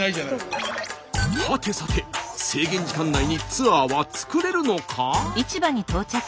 はてさて制限時間内にツアーは作れるのか？